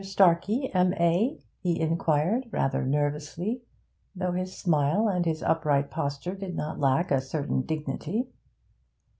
Starkey, M.A.?' he inquired, rather nervously, though his smile and his upright posture did not lack a certain dignity.